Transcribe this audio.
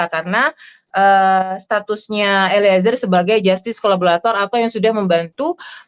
karena statusnya eliezer sebagai justice kolaborator atau yang sudah membantu